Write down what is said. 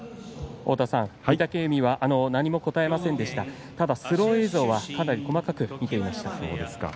御嶽海は何も答えませんでしたがただスロー映像はかなり細かく見ていました。